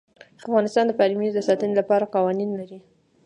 افغانستان د پامیر د ساتنې لپاره قوانین لري.